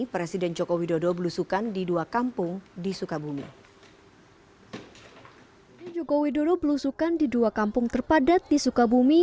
presiden joko widodo berlusukan di dua kampung terpadat di sukabumi